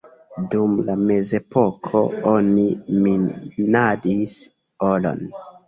Dum la mezepoko oni minadis oron.